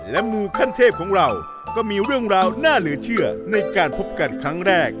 และมูขั้นเทพของเราก็มีเรื่องราวน่าเหลือเชื่อในการพบกันครั้งแรก